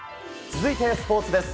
続いて、スポーツです。